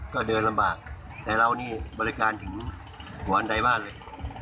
ก็เดินลำบากแต่เรานี่บริการถึงวันใดบ้านเลย